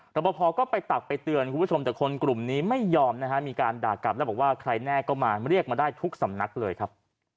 ประพอก็ไปตักไปเตือนคุณผู้ชมแต่คนกลุ่มนี้ไม่ยอมนะฮะมีการด่ากลับแล้วบอกว่าใครแน่ก็มาเรียกมาได้ทุกสำนักเลยครับ